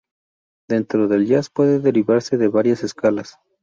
Dentro del jazz puede derivarse de varias escalas.